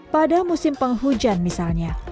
pada musim penghujan misalnya